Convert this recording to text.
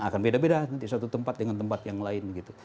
akan beda beda nanti satu tempat dengan tempat yang lain gitu